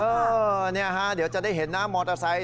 นี่ฮะเดี๋ยวจะได้เห็นหน้ามอเตอร์ไซค